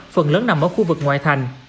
phần lớn nằm ở khu vực ngoài thành